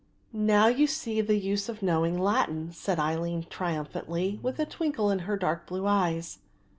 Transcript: "Now you see the use of knowing Latin," said Aline triumphantly, with a twinkle in her dark blue eyes.